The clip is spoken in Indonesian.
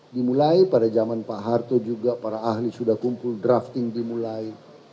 dimulai pada zaman pak harto juga para ahli sudah kumpul drafting dimulai